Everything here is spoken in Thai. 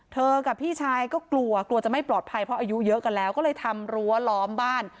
กับพี่ชายก็กลัวกลัวจะไม่ปลอดภัยเพราะอายุเยอะกันแล้วก็เลยทำรั้วล้อมบ้าน